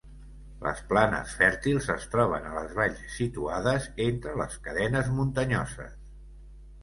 Les planes fèrtils es troben a les valls situades entre les cadenes muntanyoses.